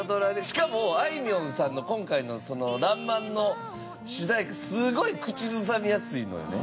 しかもあいみょんさんの今回の『らんまん』の主題歌すごい口ずさみやすいのよね。